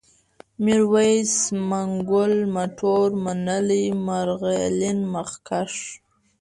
ميرويس ، منگول ، مټور ، منلی ، مرغلين ، مخکښ